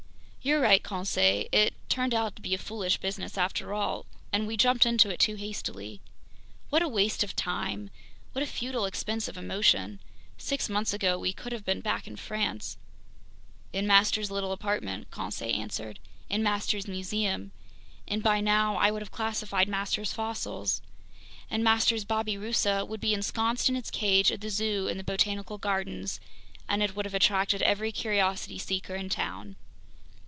"You're right, Conseil, it turned out to be a foolish business after all, and we jumped into it too hastily. What a waste of time, what a futile expense of emotion! Six months ago we could have been back in France—" "In master's little apartment," Conseil answered. "In master's museum! And by now I would have classified master's fossils. And master's babirusa would be ensconced in its cage at the zoo in the Botanical Gardens, and it would have attracted every curiosity seeker in town!"